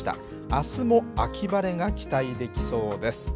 あすも秋晴れが期待できそうです。